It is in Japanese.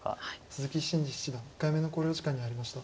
鈴木伸二七段１回目の考慮時間に入りました。